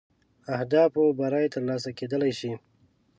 اهدافو بری تر لاسه کېدلای شي.